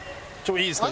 いいですか？